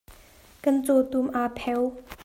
Kan cawtum aa pheo.